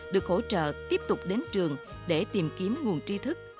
được hỗ trợ tiếp tục đến trường để tìm kiếm nguồn tri thức